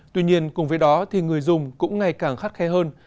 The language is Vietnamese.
tuy nhiên cùng với đó thì người dùng cũng ngày càng khắt khe hơn